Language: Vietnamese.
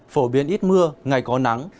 phổ biến ít mưa ngày có nắng